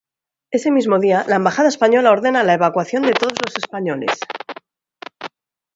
Ese mismo día, la embajada española ordena la evacuación todos los españoles.